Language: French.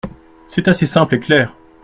C’est assez simple et clair.